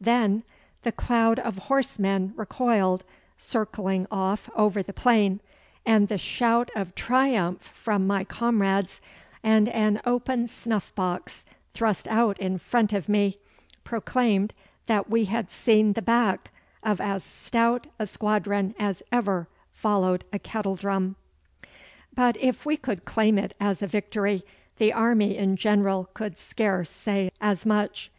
Then the cloud of horse men recoiled, circling off over the plain, and the shout of triumph from my comrades, and an open snuff box thrust out in front of me, proclaimed that we had seen the back of as stout a squadron as ever followed a kettledrum. But if we could claim it as a victory, the army in general could scarce say as much.